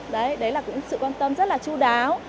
đấy đấy là cũng sự quan tâm rất là chú đáo